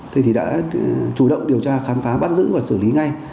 thế thì đã chủ động điều tra khám phá bắt giữ và xử lý ngay